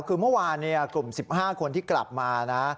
คือเมื่อวานกลุ่ม๑๕คนที่กลับมานะ